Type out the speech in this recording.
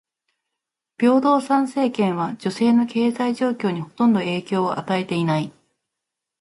平等参政権は女性の経済状況にほとんど影響を与えていない。